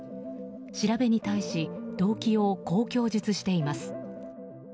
調べに対し、動機をこう供述しています。